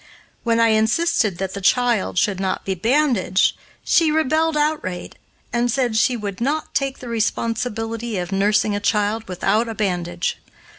When I insisted that the child should not be bandaged, she rebelled outright, and said she would not take the responsibility of nursing a child without a bandage.